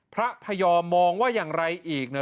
พระพยอมมองว่าอย่างไรอีกนะ